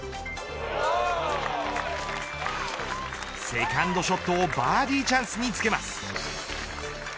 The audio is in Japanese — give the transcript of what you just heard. セカンドショットをバーディーチャンスにつけます。